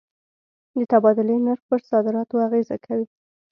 د تبادلې نرخ پر صادراتو اغېزه کوي.